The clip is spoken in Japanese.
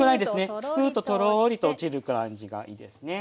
すくうととろりと落ちる感じがいいですね。